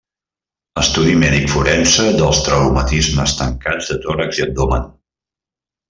Estudi mèdic forense dels traumatismes tancats de tòrax i abdomen.